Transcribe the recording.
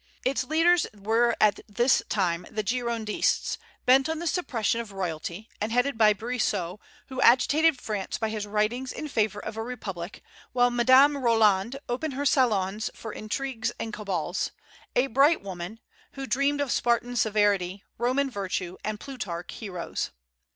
Its leaders were at this time the Girondists, bent on the suppression of royalty, and headed by Brissot, who agitated France by his writings in favor of a republic, while Madame Roland opened her salons for intrigues and cabals, a bright woman, "who dreamed of Spartan severity, Roman virtue, and Plutarch heroes."